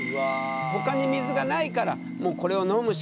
ほかに水がないからもうこれを飲むしかない。